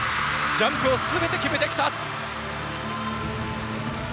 ジャンプを全て決めてきた！